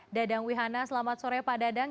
dadang wihana selamat sore pak dadang